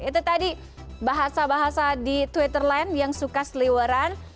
itu tadi bahasa bahasa di twitter lain yang suka seliweran